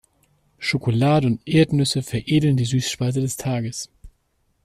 Schokolade und Erdnüsse veredeln die Süßspeise des Tages.